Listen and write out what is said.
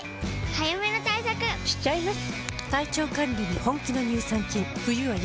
早めの対策しちゃいます。